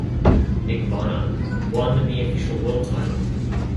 Nick Varner won the "official" world title.